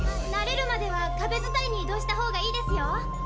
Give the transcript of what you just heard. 慣れるまではかべづたいに移動した方がいいですよ。